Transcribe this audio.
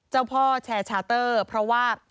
เจ้าพ่อแชร์ชาเตอร์เพราะว่า